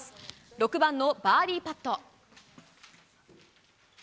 ６番のバーディーパット。